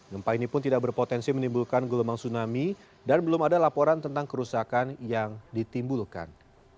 gempa ini pun tidak berpotensi menimbulkan gelombang tsunami dan belum ada laporan tentang kerusakan yang ditimbulkan